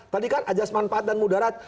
tadi kan ajasman pahat dan mudarat